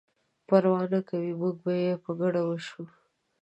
پروا نه کوي موږ به یې په ګډه وڅښو.